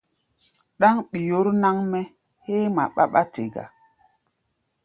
Ɗáŋ ɓi̧ɔ̧r náŋ-mɛ́ héé ŋma ɓáɓá te gá.